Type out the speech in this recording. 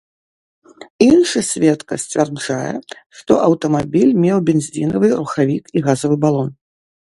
Іншы сведка сцвярджае, што аўтамабіль меў бензінавы рухавік і газавы балон.